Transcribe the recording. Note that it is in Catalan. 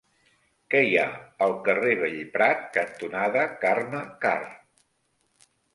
Què hi ha al carrer Bellprat cantonada Carme Karr?